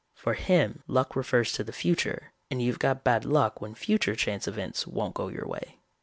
For him, luck refers to the future, and you've got bad luck when future chance events won't go your way.